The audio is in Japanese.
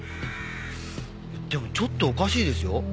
でもちょっとおかしいですよ。